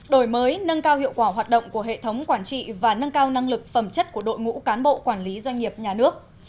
đổi mới nâng cao hiệu quả hoạt động của hệ thống quản trị và nâng cao năng lực phẩm chất của đội ngũ cán bộ quản lý doanh nghiệp nhà nước